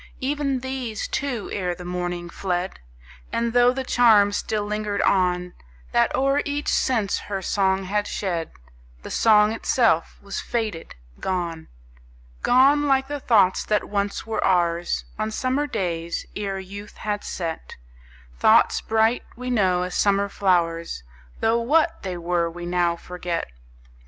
Even these, too, ere the morning, fled; And, tho' the charm still lingered on, That o'er each sense her song had shed, The song itself was faded, gone; Gone, like the thoughts that once were ours, On summer days, ere youth had set; Thoughts bright, we know, as summer flowers, Tho' what they were we now forget.